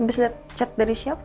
abis liat chat dari siapa